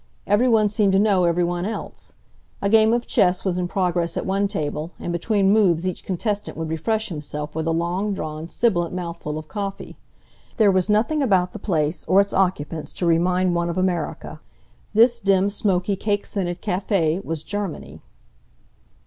Every one seemed to know every one else. A game of chess was in progress at one table, and between moves each contestant would refresh himself with a long drawn, sibilant mouthful of coffee. There was nothing about the place or its occupants to remind one of America. This dim, smoky, cake scented cafe was Germany.